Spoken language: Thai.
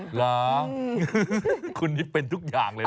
เหรอคุณนี่เป็นทุกอย่างเลย